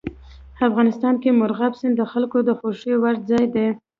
افغانستان کې مورغاب سیند د خلکو د خوښې وړ ځای دی.